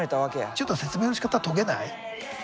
ちょっと説明のしかたトゲない？